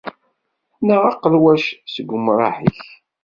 Neɣ aqelwac seg umraḥ-ik.